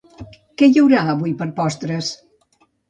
Què hi haurà avui per postres?